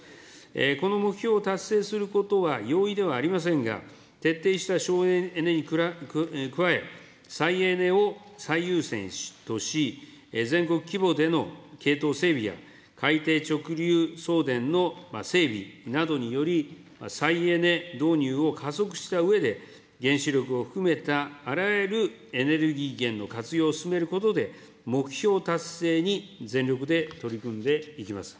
この目標を達成することは容易ではありませんが、徹底した省エネに加え、再エネを最優先とし、全国規模での系統整備や、海底直流送電の整備などにより、再エネ導入を加速したうえで、原子力を含めたあらゆるエネルギー源の活用を進めることで、目標達成に全力で取り組んでいきます。